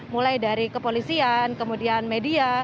mulai dari kepolisian kemudian media